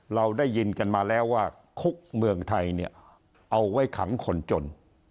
เราได้ยินกันมาแล้วว่าคุกเมืองไทยเนี่ยเอาไว้ขังคนจน